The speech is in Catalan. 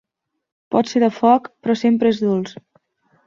Pot ser de foc, però sempre és dolç.